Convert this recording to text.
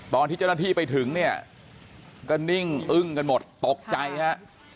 ตอนที่เจ้าหน้าที่ไปถึงก็นิ่งอึ้งกันหมดตกใจนะครับ